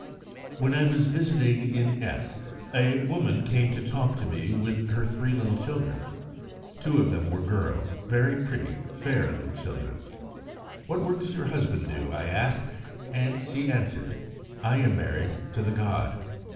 "When I was visiting in S. a woman came to talk to me with her three little children. Two of them were girls, very pretty, 'fair' little children. 'What work does your husband do?' I asked; and she answered, 'I am married to the god.'